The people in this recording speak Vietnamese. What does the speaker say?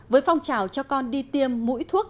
với phong trào cho con đi tiêm mũi thuốc